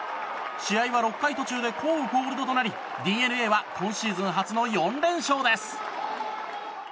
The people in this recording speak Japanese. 試合は６回途中で降雨コールドとなりＤｅＮＡは今シーズン初の４連勝です。